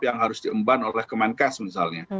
yang harus diemban oleh kemenkes misalnya